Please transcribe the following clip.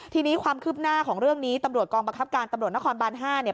ทีนี้ความคืบหน้าของเรื่องนี้ตำรวจกองบังคับการตำรวจนครบาน๕เนี่ย